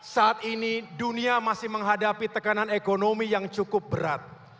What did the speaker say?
saat ini dunia masih menghadapi tekanan ekonomi yang cukup berat